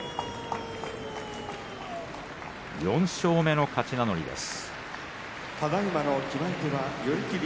４勝目の勝ち名乗りです。